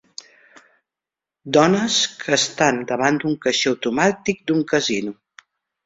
Dones que estan davant d'un caixer automàtic d'un casino.